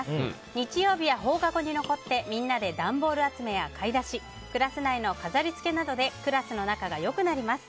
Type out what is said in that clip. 日曜日や放課後に残ってみんなで段ボール集めや買い出しクラス内の飾りつけなどでクラスの仲が良くなります。